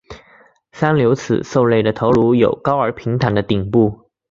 三瘤齿兽类的头颅有高而平坦的顶部。